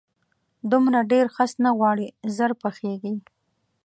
دومره ډېر خس نه غواړي، ژر پخېږي.